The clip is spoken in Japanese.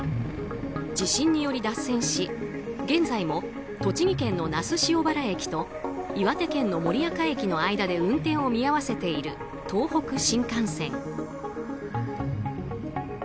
地震により脱線し現在も栃木県の那須塩原駅と岩手県の盛岡駅の間で運転を見合わせている東北新幹線。